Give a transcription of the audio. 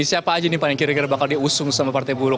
siapa aja nih pak yang kira kira bakal diusung sama partai buruh